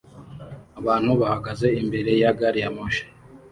Abantu bahagaze imbere ya gari ya moshi